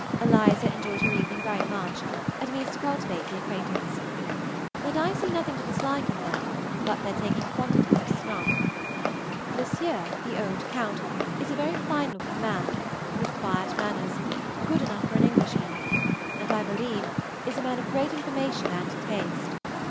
Eliza enjoyed her evening very much, and means to cultivate the acquaintance; and I see nothing to dislike in them but their taking quantities of snuff. Monsieur, the old Count, is a very fine looking man, with quiet manners, good enough for an Englishman, and, I believe, is a man of great information and taste.